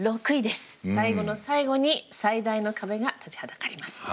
最後の最後に最大の壁が立ちはだかります。